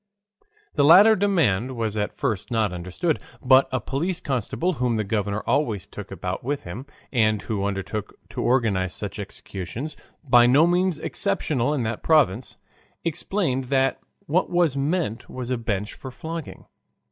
The latter demand was at first not understood. But a police constable whom the governor always took about with him, and who undertook to organize such executions by no means exceptional in that province explained that what was meant was a bench for flogging.